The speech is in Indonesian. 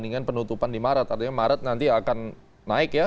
dengan penutupan di maret artinya maret nanti akan naik ya